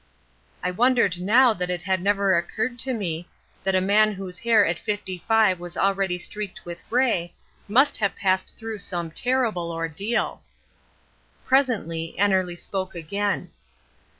I wondered now that it had never occurred to me that a man whose hair at fifty five was already streaked with grey, must have passed through some terrible ordeal. Presently Annerly spoke again.